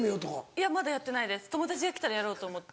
いやまだやってないです友達が来たらやろうと思って。